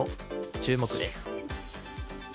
注目です。